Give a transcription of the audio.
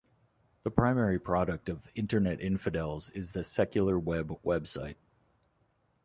The primary product of Internet Infidels is the Secular Web website.